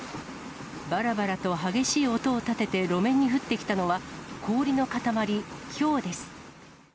ばらばらと激しい音を立てて路面に降ってきたのは、氷の塊、ひょうです。